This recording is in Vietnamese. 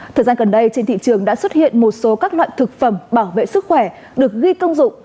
thời gian gần đây trên thị trường đã xuất hiện một số các loại thực phẩm bảo vệ sức khỏe được ghi công dụng